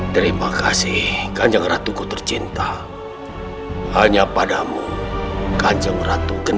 tapi seharusnya bagaimana dia berakang dengan disini